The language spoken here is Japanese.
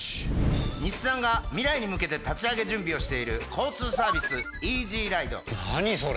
日産が未来に向けて立ち上げ準備をしている交通サービス何それ？